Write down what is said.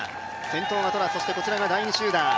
先頭がトラ、そしてこちらが第２集団。